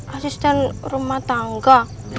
asisten rumah tangga